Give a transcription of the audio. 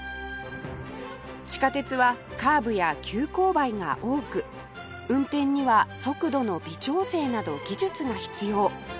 地下鉄はカーブや急勾配が多く運転には速度の微調整など技術が必要